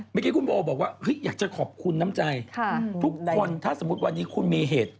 เมื่อกี้คุณโบบอกว่าอยากจะขอบคุณน้ำใจทุกคนถ้าสมมุติวันนี้คุณมีเหตุ